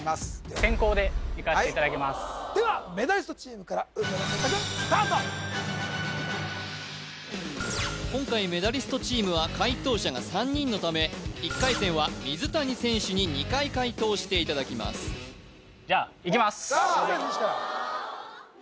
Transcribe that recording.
先攻でいかせていただきますではメダリストチームから今回メダリストチームは解答者が３人のため１回戦は水谷選手に２回解答していただきますじゃあいきます